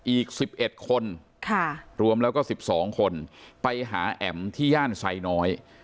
อีกสิบเอ็ดคนค่ะรวมแล้วก็สิบสองคนไปหาแอมที่ย่านชัยน้อย